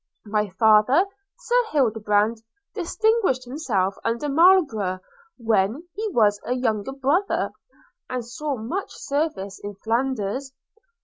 My father Sir Hildebrand distinguished himself under Marlborough when he was a younger brother, and saw much service in Flanders.